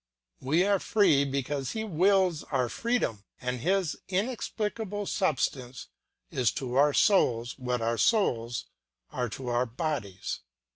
We are free because he wills our freedom, and his inexplicable substance is to our souls what our souls are to our bodies.